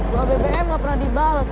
gue bbm gak pernah dibalas